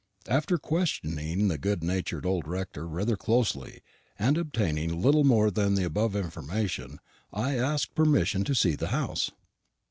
After questioning the good natured old rector rather closely, and obtaining little more than the above information, I asked permission to see the house.